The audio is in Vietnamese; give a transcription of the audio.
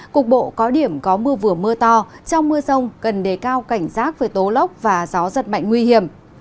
cục bộ có điểm có mưa vừa mưa to trong mưa rông cần đề cao cảnh giác về tố lốc và gió giật mạnh nguy hiểm